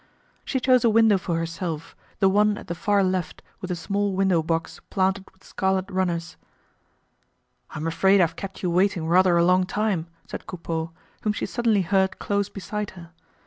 She chose a window for herself, the one at the far left with a small window box planted with scarlet runners. "I'm afraid I've kept you waiting rather a long time," said Coupeau, whom she suddenly heard close beside her.